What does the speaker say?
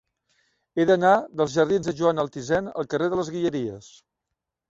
He d'anar dels jardins de Joan Altisent al carrer de les Guilleries.